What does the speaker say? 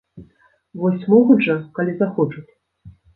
Вось могуць жа, калі захочуць!